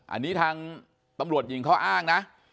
อันนี้ทางตำรวจหญิงเขาอ้างนะ